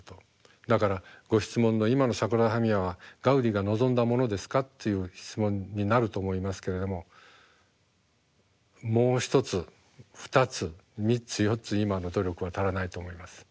だからご質問の「今のサグラダ・ファミリアはガウディが望んだものですか？」っていう質問になると思いますけれどももう１つ２つ３つ４つ今の努力は足らないと思います。